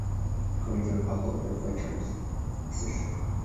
以下公演记录包括未被分成独立队前的公演次数。